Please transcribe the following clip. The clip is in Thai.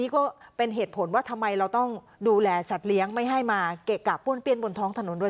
ก็เป็นเหตุผลว่าทำไมเราต้องดูแลสัตว์เลี้ยงไม่ให้มาเกะกะป้วนเปี้ยนบนท้องถนนด้วย